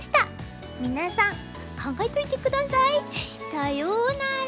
さようなら。